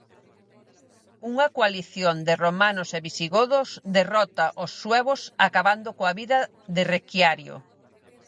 Unha coalición de romanos e visigodos derrota aos suevos acabando coa vida de Requiario.